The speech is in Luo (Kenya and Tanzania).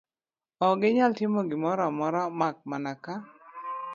Ok ginyal timo gimoro amora mak mana ka